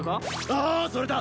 ああそれだ！